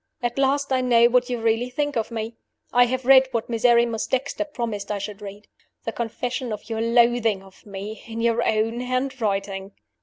"At last I know what you really think of me. I have read what Miserrimus Dexter promised I should read the confession of your loathing for me, in your own handwriting.